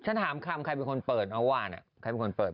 ฉันถามคำใครเป็นคนเปิดเอาหว่าเนี่ยใครเป็นคนเปิด